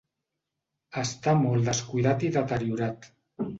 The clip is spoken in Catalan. Està molt descuidat i deteriorat.